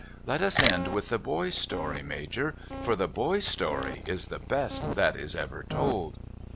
Let us end with the Boy's story, Major, for the Boy's story is the best that is ever told